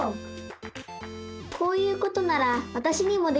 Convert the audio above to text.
こういうことならわたしにもできそう！